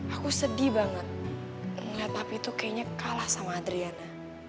aku sedih banget tapi tuh kayaknya kalah sama adriana